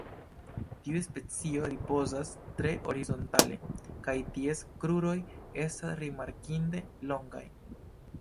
Tiu specio ripozas tre horizontale, kaj ties kruroj estas rimarkinde longaj.